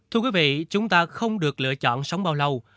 thưa quý vị chúng ta không được lựa chọn sống bao lâu